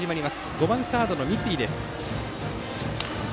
５番サード、三井からです。